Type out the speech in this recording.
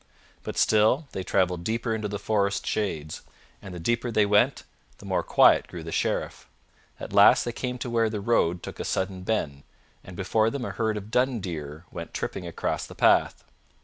But still they traveled deeper into the forest shades, and the deeper they went, the more quiet grew the Sheriff. At last they came to where the road took a sudden bend, and before them a herd of dun deer went tripping across the path.